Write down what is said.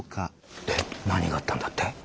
で何があったんだって？